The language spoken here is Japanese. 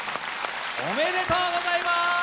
おめでとうございます！